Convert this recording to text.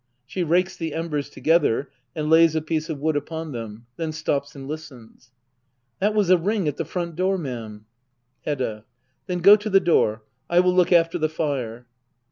[She rakes the embers together and lays a piece of wood upon them; then stops and listens,} That was a ring at the front door, ma'am. Hedda. Then go to the door. I will look after the fire.